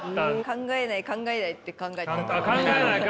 「考えない考えない」って考えてた。